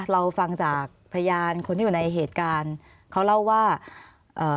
เราฟังจากพยานคนที่อยู่ในเหตุการณ์เขาเล่าว่าเอ่อ